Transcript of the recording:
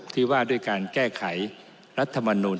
ที่ว่าด้วยการแก้ไขรัฐมนูล